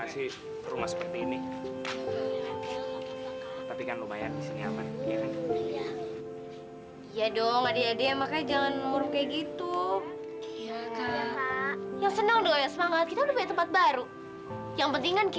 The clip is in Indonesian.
sampai jumpa di video selanjutnya